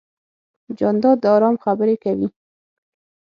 جانداد د ارام خبرې کوي.